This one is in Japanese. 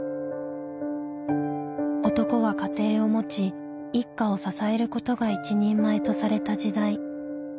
男は家庭を持ち一家を支えることが一人前とされた時代。